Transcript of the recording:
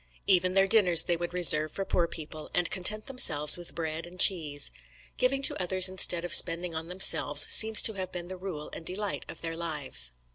Even their dinners they would reserve for poor people, and content themselves with bread and cheese. "Giving to others instead of spending on themselves seems to have been the rule and delight of their lives."